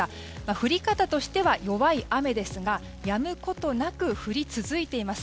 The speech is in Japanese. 降り方としては弱い雨ですがやむことなく降り続いています。